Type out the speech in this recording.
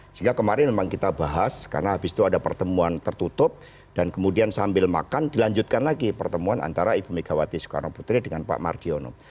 sehingga kemarin memang kita bahas karena habis itu ada pertemuan tertutup dan kemudian sambil makan dilanjutkan lagi pertemuan antara ibu megawati soekarno putri dengan pak mardiono